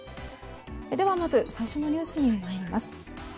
ではまず最新のニュースに参ります。